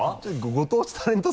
ご当地タレント